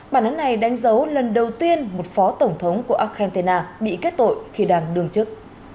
bản đánh này đánh dấu lần đầu tiên một phó tổng thống của argentina bị kết tội khi đàn đường chức